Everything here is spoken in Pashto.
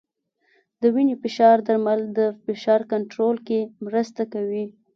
د وینې فشار درمل د فشار کنټرول کې مرسته کوي.